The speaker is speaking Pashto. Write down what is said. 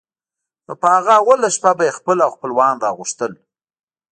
نو په هغه اوله شپه به یې خپل او خپلوان را غوښتل.